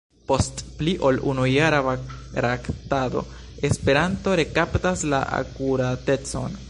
Post pli ol unujara baraktado Esperanto rekaptas la akuratecon.